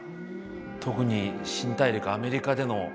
特に新大陸アメリカでの南北戦争。